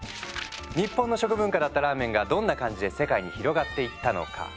日本の食文化だったラーメンがどんな感じで世界に広がっていったのか？